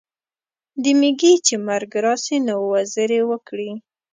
د میږي چي مرګ راسي نو، وزري وکړي.